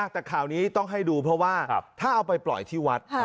แต่ข่าวนี้ต้องให้ดูเพราะว่าถ้าเอาไปปล่อยที่วัด